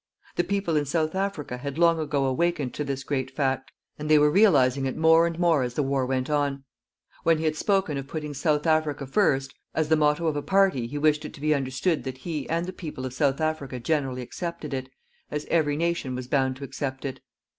The people in South Africa had long ago awakened to this great fact, and they were realizing it more and more as the war went on. When he had spoken of putting "South Africa first" as the motto of a party he wished it to be understood that he and the people of South Africa generally accepted it, as every nation was bound to accept it.